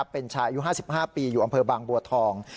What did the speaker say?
เป็นชายอายุ๕๕ปีอยู่อำเภอบางบัวทอง